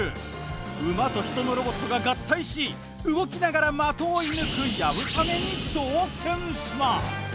馬と人のロボットが合体し動きながら的を射ぬく流鏑馬に挑戦します。